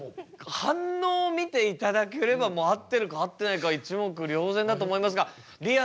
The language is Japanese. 反応を見ていただければもう合ってるか合ってないか一目瞭然だと思いますがりあ